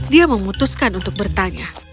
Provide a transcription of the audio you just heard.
dia memutuskan untuk bertanya